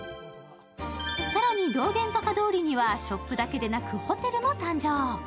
更に道玄坂通にはショップだけでなくホテルも誕生。